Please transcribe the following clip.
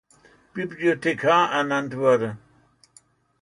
Bibliothekar ernannt wurde.